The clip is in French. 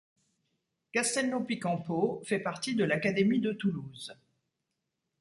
Castelnau-Picampeau fait partie de l'académie de Toulouse.